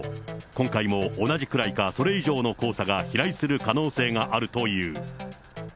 今回も同じくらいか、それ以上の黄砂が飛来する可能性があるという。